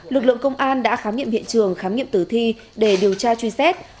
lực lượng công an đã khám nghiệm hiện trường khám nghiệm tử thi để điều tra truy xét